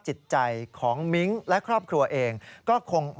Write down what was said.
ฉะนั้นขอร้องทุกคนว่า